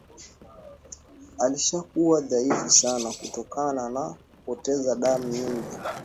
Alishakuwa dhaifu sana kutokana na kupoteza damu nyingi